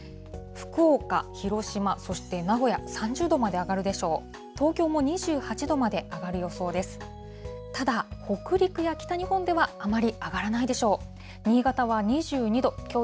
福岡、広島、そして名古屋３０度まで上がるでしょう。